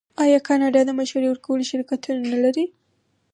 آیا کاناډا د مشورې ورکولو شرکتونه نلري؟